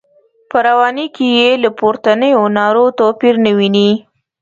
په رواني کې یې له پورتنیو نارو توپیر نه ویني.